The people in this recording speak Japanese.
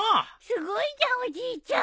すごいじゃんおじいちゃん！